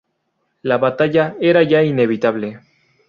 La batalla era ya inevitable.